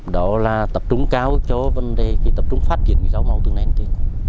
đó là tập trung cao cho vấn đề tập trung phát triển rau màu từng nền tiên